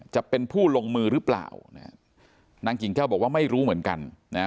จะเป็นผู้ลงมือหรือเปล่าเนี่ยนางกิ่งแก้วบอกว่าไม่รู้เหมือนกันนะฮะ